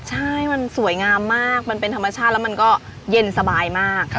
ใช่มันสวยงามมากมันเป็นธรรมชาติแล้วมันก็เย็นสบายมาก